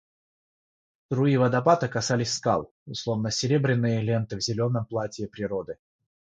Струи водопада касались скал, словно серебряные ленты на зеленом платье природы.